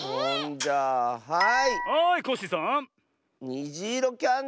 じゃあはい！